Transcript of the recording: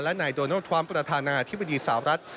และนายโดนัลดทรัมป์ประธานาธิบดีสาวรัฐ